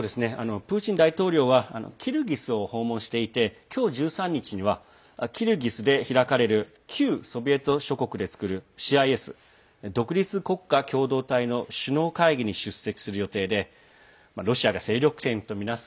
プーチン大統領はキルギスを訪問していて今日、１３日にはキルギスで開かれる旧ソビエト諸国で作るＣＩＳ＝独立国家共同体の首脳会議に出席する予定でロシアが勢力圏とみなす